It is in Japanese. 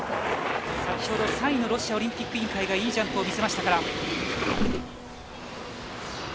先ほど、３位のロシアオリンピック委員会がいいジャンプを見せましたから。